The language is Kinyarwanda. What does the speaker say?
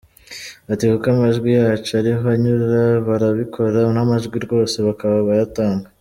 Ati “ Kuko amajwi yacu ariho anyura, barabikora n’amajwi rwose bakaba bayatanga.